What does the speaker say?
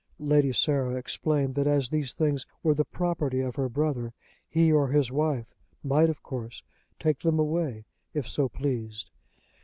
Lady Sarah explained that as these things were the property of her brother, he or his wife might of course take them away if so pleased.